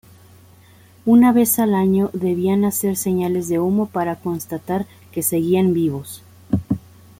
Una vez al año debían hacer señales de humo para constatar que seguían vivos.